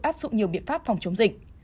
áp dụng nhiều biện pháp phòng chống dịch